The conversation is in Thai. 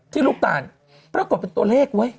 ลูกตาลปรากฏเป็นตัวเลขเว้ย